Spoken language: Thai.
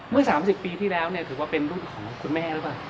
เมื่อ๓๐ปีที่แล้วเนี่ยถือว่าเป็นลูกของคุณแม่หรือเปล่า